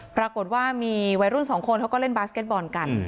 ปรากฏว่ามีวัยรุ่นสองคนเขาก็เล่นบาสเก็ตบอลกัน